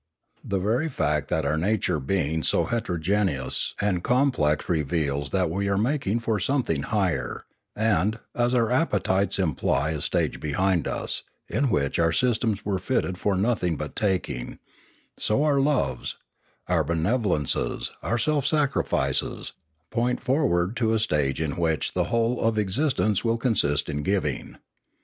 The very fact of our nature being so heterogeneous and complex reveals that we are making for something higher; and, as our appetites imply a stage behind us, 45° Limanora in which our systems were fitted for nothing but tak ing, so our loves, our benevolences, our self sacrifices, point forward to a stage in which the whole of exist ence will consist in giving.